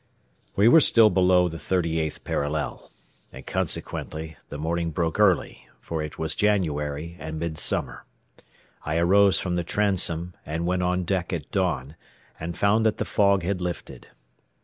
We were still below the thirty eighth parallel, and consequently the morning broke early, for it was January and midsummer. I arose from the transom and went on deck at dawn, and found that the fog had lifted.